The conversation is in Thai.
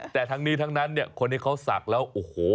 แต่ทั้งนี้ทั้งนั้นเนี่ยคนที่เขาศักดิ์แล้วโอ้โห